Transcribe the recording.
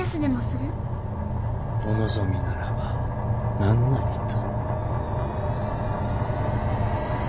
お望みならば何なりと。